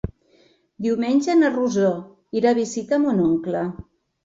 Diumenge na Rosó irà a visitar mon oncle.